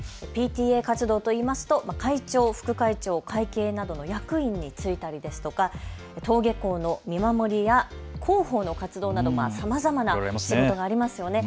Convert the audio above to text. ＰＴＡ活動といいますと会長、副会長、会計などの役員に就いたりですとか、登下校の見守りや広報の活動などさまざまな仕事がありますよね。